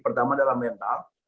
pertama adalah mental